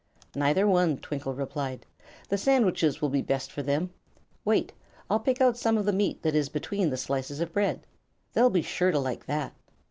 "Neither one," Twinkle replied. "The sandwiches will be best for them. Wait; I'll pick out some of the meat that is between the slices of bread. They'll be sure to like that."